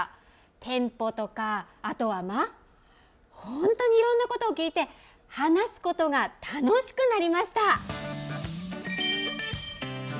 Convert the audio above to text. テンポとか、あとは間、本当にいろんなことを聞いて、話すことが楽しくなりました。